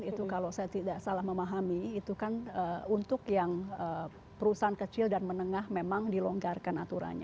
itu kalau saya tidak salah memahami itu kan untuk yang perusahaan kecil dan menengah memang dilonggarkan aturannya